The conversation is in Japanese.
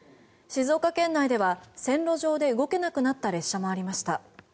静岡県内では線路上で動けなくなった列車もありました。